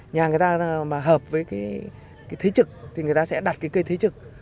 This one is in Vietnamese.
nhà người ta mà hợp với cái thế trực thì người ta sẽ đặt cái cây thế trực